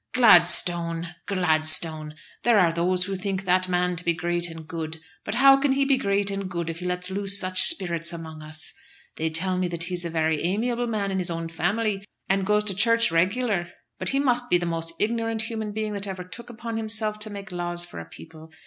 "Gladstone! Gladstone! There are those who think that man to be great and good; but how can he be great and good if he lets loose such spirits among us? They tell me that he's a very amiable man in his own family, and goes to church regular; but he must be the most ignorant human being that ever took upon himself to make laws for a people.